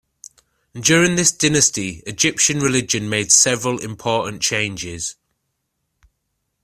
During this dynasty, Egyptian religion made several important changes.